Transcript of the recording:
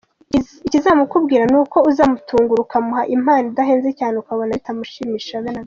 Ikizamukubwira ni uko uzamutungura ukamuha impano idahenze cyane ukabona bitamushimishije habe na gato.